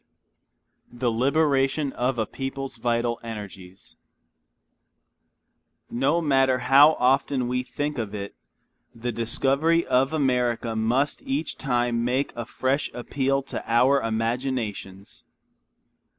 XII THE LIBERATION OF A PEOPLE'S VITAL ENERGIES No matter how often we think of it, the discovery of America must each time make a fresh appeal to our imaginations.